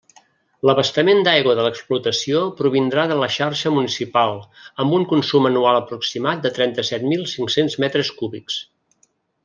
L'abastament d'aigua de l'explotació provindrà de la xarxa municipal, amb un consum anual aproximat de trenta-set mil cinc-cents metres cúbics.